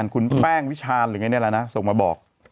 คุณแป้งวิชาญหรือไงนี่แหละนะส่งมาบอก